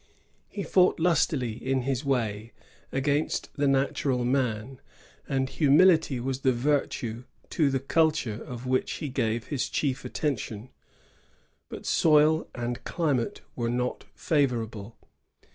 He fought lustily, in his way, against the natural man; and humility was the virtue to the culture of which he gave his chief attention; but soil and climate were not &vorable.